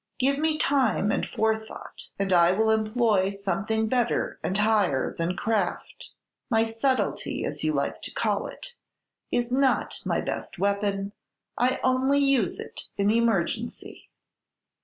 Give me time and forethought, and I will employ something better and higher than craft. My subtlety, as you like to call it, is not my best weapon; I only use it in emergency."